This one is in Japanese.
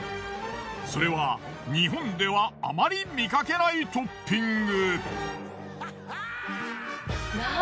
それは日本ではあまり見かけないトッピング。